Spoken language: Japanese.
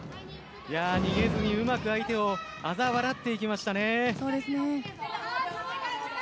逃げずに、うまく相手をあざ笑っていきましたね。